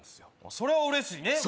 それは嬉しいね